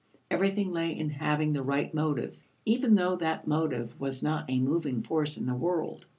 Everything lay in having the right motive, even though that motive was not a moving force in the world.